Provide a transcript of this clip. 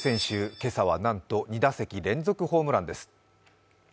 今朝はなんと２打席連続ホームランです。